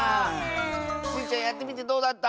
スイちゃんやってみてどうだった？